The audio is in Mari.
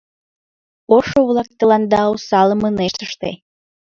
Ошо-влак тыланда осалым ынешт ыште.